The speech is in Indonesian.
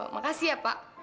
makasih ya pak